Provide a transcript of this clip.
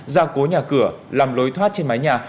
gia cố nhà cửa làm lối thoát trên mái nhà